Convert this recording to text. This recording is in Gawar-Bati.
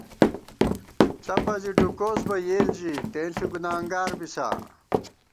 ݪَپہ زِی ڈُوکوس بہ یېل ژِی، تېنݪی گُنانگار بِسا